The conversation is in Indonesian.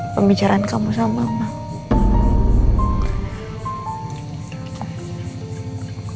pembicaraan kamu sama mama